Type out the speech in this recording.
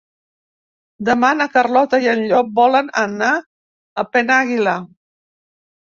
Demà na Carlota i en Llop volen anar a Penàguila.